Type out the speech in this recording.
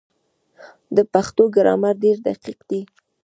د پښتو ګرامر ډېر دقیق دی.